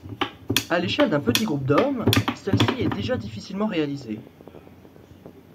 À l'échelle d'un petit groupe d'hommes, celle-ci est déjà difficilement réalisée.